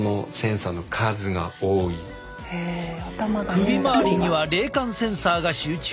首回りには冷感センサーが集中。